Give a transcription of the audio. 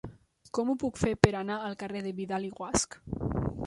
Com ho puc fer per anar al carrer de Vidal i Guasch?